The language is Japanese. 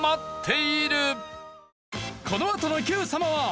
このあとの『Ｑ さま！！』は